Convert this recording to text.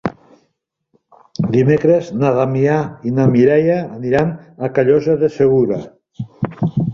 Dimecres na Damià i na Mireia aniran a Callosa de Segura.